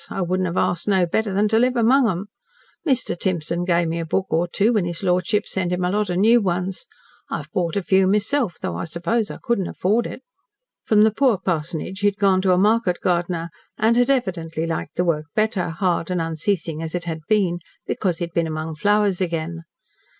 I wouldn't have asked no better than to live among 'em. Mr. Timson gave me a book or two when his lordship sent him a lot of new ones. I've bought a few myself though I suppose I couldn't afford it." From the poor parsonage he had gone to a market gardener, and had evidently liked the work better, hard and unceasing as it had been, because he had been among flowers again.